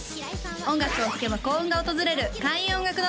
音楽を聴けば幸運が訪れる開運音楽堂